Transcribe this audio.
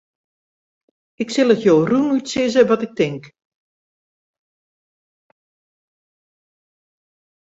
Ik sil it jo rûnút sizze wat ik tink.